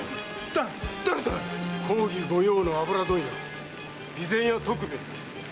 誰だ⁉公儀御用の油問屋備前屋徳兵衛。